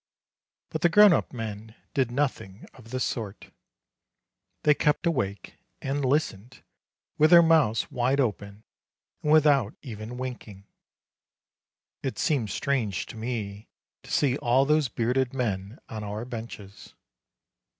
But the grown up men did nothing of the sort; they kept awake, and listened, with their mouths wide open, and without even winking. It seemed strange to me to see all those bearded men on our benches.